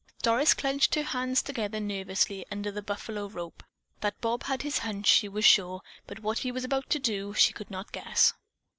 Doris clenched her hands together nervously under the buffalo rope. That Bob had his "hunch" she was sure, but what he was about to do, she could not guess.